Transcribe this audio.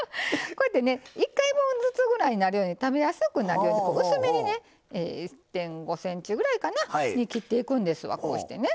こうやってね１回分ずつぐらいになるように食べやすくなるように薄めにね１．５ｃｍぐらいかなに切っていくんですわこうしてね。